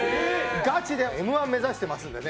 ガチでＭ−１目指してますんでね。